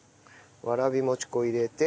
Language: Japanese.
わらびもち粉入れて。